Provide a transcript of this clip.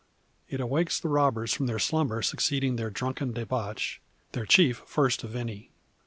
It awakes the robbers from the slumber succeeding their drunken debauch; their chief first of any.